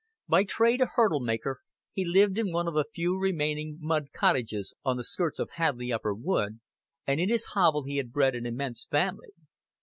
By trade a hurdle maker, he lived in one of the few remaining mud cottages on the skirts of Hadleigh Upper Wood, and in his hovel he had bred an immense family.